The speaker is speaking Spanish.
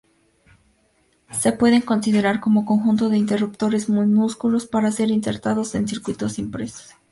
Se pueden considerar como conjunto de interruptores minúsculos para ser insertados en circuitos impresos.